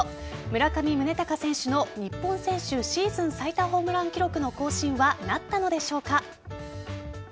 村上宗隆選手の日本選手シーズン最多ホームラン記録の更新はなったのでしょうか。